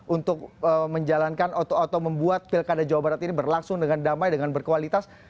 untuk menjalankan oto oto membuat pilkada jawa barat ini berlangsung dengan damai dengan berkualitas